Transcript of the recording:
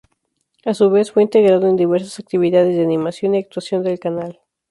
A su vez fue integrado en diversas actividades de animación y actuación del canal.